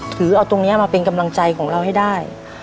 ถือเอาตรงนี้มาเป็นกำลังใจของเราให้ได้